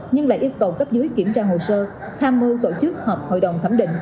nhưng lại yêu cầu cấp dưới kiểm tra hồ sơ tham mưu tổ chức họp hội đồng thẩm định